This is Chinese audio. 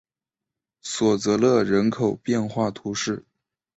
索泽勒人口变化图示